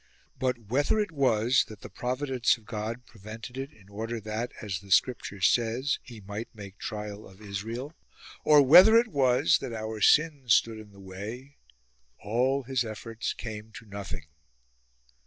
But, whether it was that the providence of God prevented it in order that, as the Scripture says. He might make trial of Israel, or whether it was that our sins stood in the way, all his efforts came to nothing.